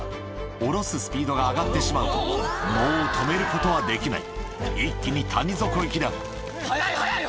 下ろすスピードが上がってしまうともう止めることはできない一気に谷底行きだ速い速い！